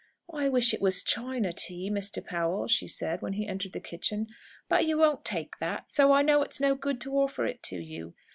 "I wish it was China tea, Mr. Powell," she said, when he entered the kitchen. "But you won't take that, so I know it's no good to offer it to you.